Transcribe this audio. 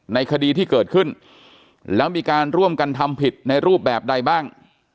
ในคดีที่เกิดขึ้นแล้วมีการร่วมกันทำผิดในรูปแบบใดบ้าง